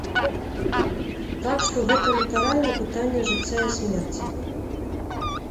Так што гэта літаральна пытанне жыцця і смерці.